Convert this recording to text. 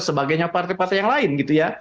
sebagainya partai partai yang lain gitu ya